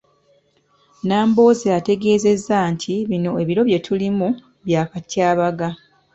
Nambooze ategeezezza nti bino ebiro bye tulimu bya katyabaga.